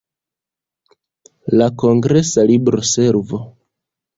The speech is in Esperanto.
La kongresa libroservo.